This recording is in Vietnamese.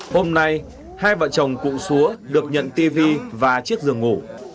hôm nay hai vợ chồng cụ xúa được nhận tv và chiếc giường ngủ